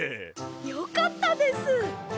よかったです！